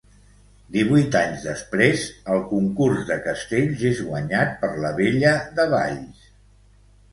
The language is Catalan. Divuit anys després, el Concurs de Castells és guanyat per la Vella de Valls.